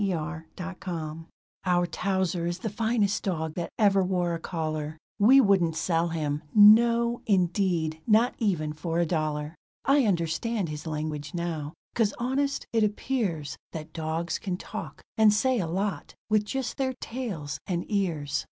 DOG LANGUAGE Our Towser is the finest dog that ever wore a collar, We wouldn't sell him no, indeed not even for a dollar! I understand his language now, 'cause honest, it appears That dogs can talk, and say a lot, with just their tails and ears.